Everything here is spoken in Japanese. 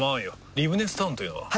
リブネスタウンというのは？